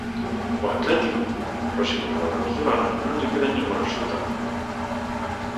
Ao Atlético, próximo rival do Barcelona, non lle queda nin o resultado.